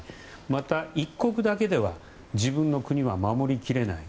また、一国だけでは自分の国は守り切れない。